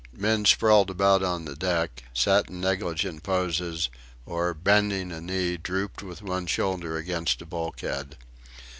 Men sprawled about on the deck, sat in negligent poses, or, bending a knee, drooped with one shoulder against a bulkhead.